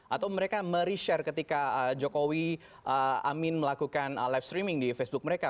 atau mereka mereshare ketika jokowi amin melakukan live streaming di facebook mereka